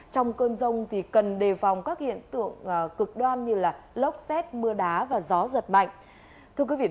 trong cơn rông cần đề phòng các hiện tượng cực đoan như lốc xét mưa đá và gió giật mạnh